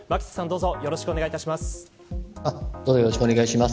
よろしくお願いします。